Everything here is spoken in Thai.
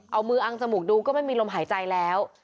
เอามืออังจมูกดูก็ไม่มีลมหายใจแล้ว